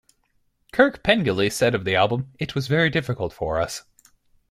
Kirk Pengilly said of the album, It was very difficult for us.